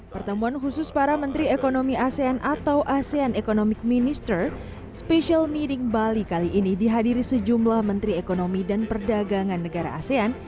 pertemuan khusus para menteri ekonomi asean atau asean economic minister special meeting bali kali ini dihadiri sejumlah menteri ekonomi dan perdagangan negara asean